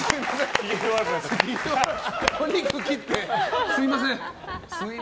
お肉切ってすみません。